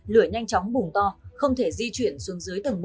lửa nhanh chóng bùng to không thể di chuyển xuống dưới tầng một